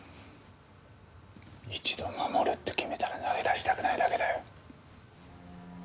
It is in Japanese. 一度護るって決めたら投げ出したくないだけだよ。